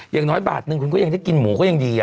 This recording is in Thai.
อย่างน้อยบาทนึงคุณก็ยังได้กินหมูก็ยังดี